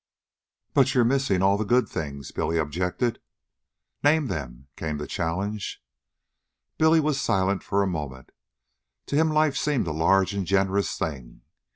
"But you're missin' all the good things," Billy objected. "Name them," came the challenge. Billy was silent a moment. To him life seemed a large and generous thing.